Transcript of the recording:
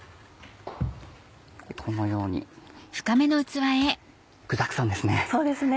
このように具だくさんですね。